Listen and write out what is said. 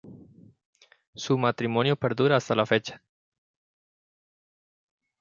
Su matrimonio perdura hasta la fecha.